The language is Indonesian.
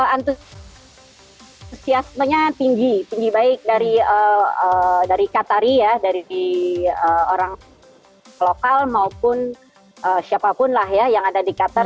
antusiasmenya tinggi tinggi baik dari qatari ya dari orang lokal maupun siapapun lah ya yang ada di qatar